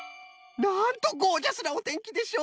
なんとゴージャスなおてんきでしょう！